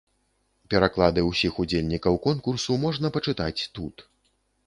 Пераклады ўсіх удзельнікаў конкурсу можна пачытаць тут.